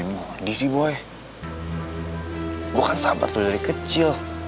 gue kan sabar tuh dari kecil